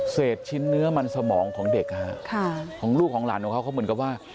ชิ้นเนื้อมันสมองของเด็กของลูกของหลานของเขาเขาเหมือนกับว่า